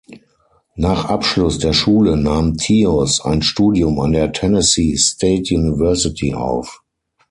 Nach Abschluss der Schule nahm Tyus ein Studium an der Tennessee State University auf.